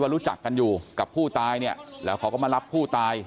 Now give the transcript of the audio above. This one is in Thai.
รู้จักกันอยู่กับผู้ตายเนี่ยแล้วเขาก็มารับผู้ตาย